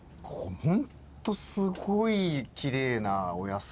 ほんとすごいきれいなお野菜。